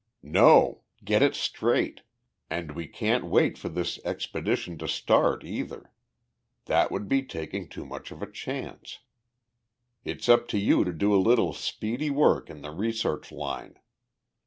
"No! Get it straight. And we can't wait for this expedition to start, either. That would be taking too much of a chance. It's up to you to do a little speedy work in the research line.